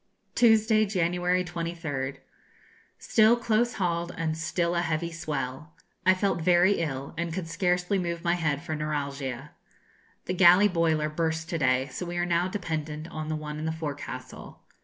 Tuesday, January 23rd. Still close hauled, and still a heavy swell. I felt very ill, and could scarcely move my head for neuralgia. The galley boiler burst to day, so we are now dependent on the one in the forecastle.